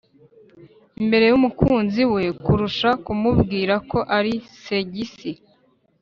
imbere y’umukunzi we kurusha kumubwira ko ari segisi.